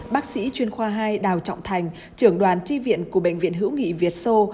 bác sĩ chuyên khoa hai đào trọng thành trưởng đoàn tri viện của bệnh viện hữu nghị việt sô